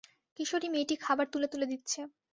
কিশোরী মেয়েটি খাবার তুলে তুলে দিচ্ছে।